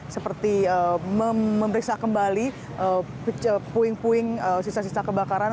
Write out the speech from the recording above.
seperti memeriksa kembali puing puing sisa sisa kebakaran